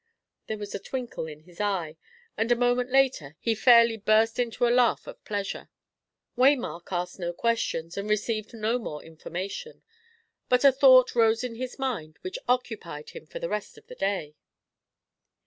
There was a twinkle in his eye, and a moment after he fairly burst into a laugh of pleasure. Waymark asked no questions, and received no more information; but a thought rose in his mind which occupied him for the rest of the day.